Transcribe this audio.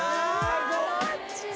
どっちだ？